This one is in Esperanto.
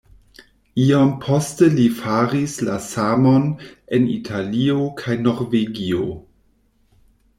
Iom poste li faris la samon en Italio kaj Norvegio.